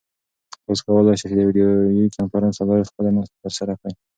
تاسو کولای شئ چې د ویډیویي کنفرانس له لارې خپله ناسته ترسره کړئ.